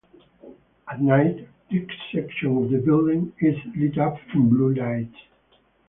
At night, this section of the building is lit up in blue lights.